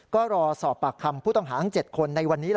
ก็รอสอบปากคำผู้ต้องหาทั้ง๗คนในวันนี้